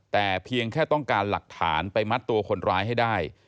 แต่เพียงแค่ต้องการหลักฐานไปมัดตัวคนร้ายให้ได้